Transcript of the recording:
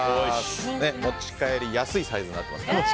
持ち帰りやすいサイズになってますから。